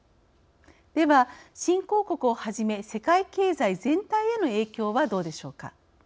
では、新興国をはじめ世界経済全体への影響はどうでしょうか。